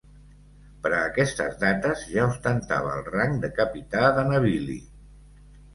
Per a aquestes dates ja ostentava el rang de capità de navili.